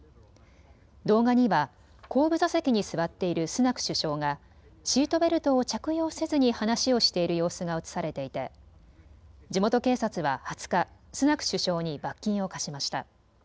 動画には後部座席に座っているスナク首相がシートベルトを着用せずに話をしている様子が映されていて地元警察は２０日、スナク首相に罰金を科しました。